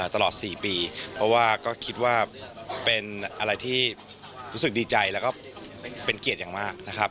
ตลอด๔ปีเพราะว่าก็คิดว่าเป็นอะไรที่รู้สึกดีใจแล้วก็เป็นเกียรติอย่างมากนะครับ